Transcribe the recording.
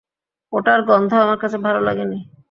ওটার গন্ধ আমার কাছে ভালো লাগেনি।